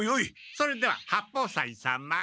それでは八方斎様。